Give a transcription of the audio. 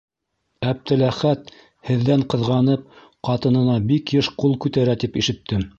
- Әптеләхәт, һеҙҙән ҡыҙғанып, ҡатынына бик йыш ҡул күтәрә тип ишеттем.